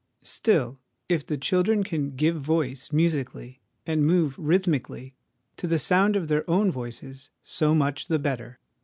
Still, 6 82 HOME EDUCATION if the children can * give voice ' musically, and move rhythmically to the sound of their own voices, so much the better.